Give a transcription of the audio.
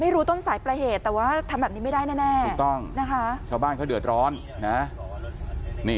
รู้ต้นสายปลายเหตุแต่ว่าทำแบบนี้ไม่ได้แน่ถูกต้องนะคะชาวบ้านเขาเดือดร้อนนะ